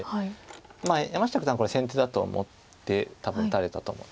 まあ山下九段これ先手だと思って多分打たれたと思う。